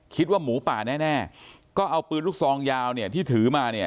คิดว่าหมูป่าแน่ก็เอาปืนลูกซองยาวที่ถือมา